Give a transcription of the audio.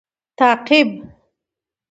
Follow